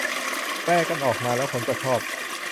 แปลกันออกมาแล้วคนก็ชอบ